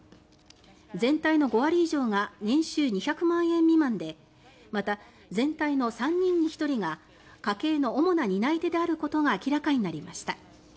全体の５割以上が年収２００万円未満でまた、全体の３人に１人が家計の主な担い手であることが明らかになりました。